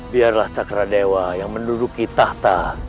biarlah cakradewa yang menduduki tahta